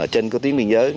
trên tiến biên giới